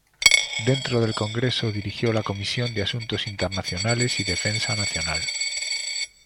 Dentro del Congreso dirigió la comisión de asuntos internacionales y defensa nacional.